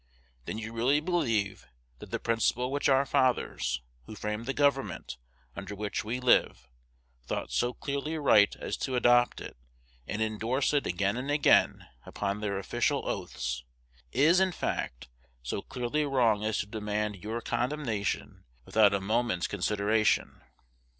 Then you really believe that the principle which our fathers, who framed the government under which we live, thought so clearly right as to adopt it, and indorse it again and again upon their official oaths, is, in fact, so clearly wrong as to demand your condemnation without a moment's consideration.